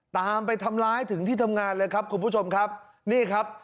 ตามไปทำร้ายถึงที่ทำงานเลยครับคุณผู้ชมครับนี่ครับ